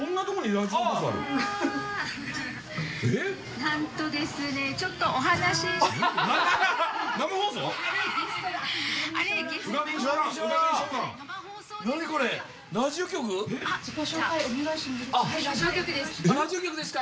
ラジオ局です。